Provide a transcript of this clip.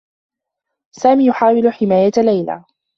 سامي يحاول حماية ليلى.